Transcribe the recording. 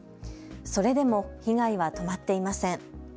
それでも被害は止まっていません。